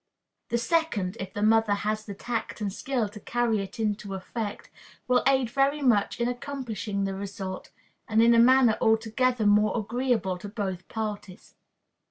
The second, if the mother has the tact and skill to carry it into effect, will aid very much in accomplishing the result, and in a manner altogether more agreeable to both parties.